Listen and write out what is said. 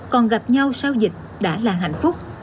còn gặp nhau sau dịch đã là hạnh phúc